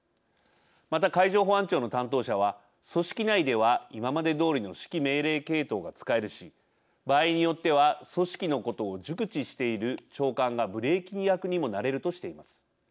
また海上保安庁の担当者は組織内では今までどおりの指揮命令系統が使えるし場合によっては組織のことを熟知している長官がブレーキ役にもなれるとしています。